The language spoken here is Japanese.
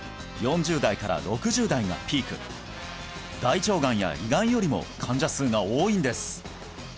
４０代から６０代がピーク大腸がんや胃がんよりも患者数が多いんです